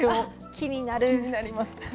気になります。